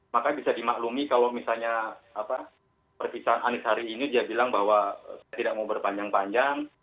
maka bisa dimaklumi kalau misalnya perpisahan anies hari ini dia bilang bahwa saya tidak mau berpanjang panjang